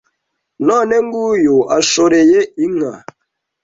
None nguyu ashoreye inka